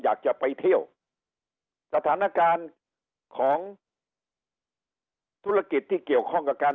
อยากจะไปเที่ยวสถานการณ์ของธุรกิจที่เกี่ยวข้องกับการ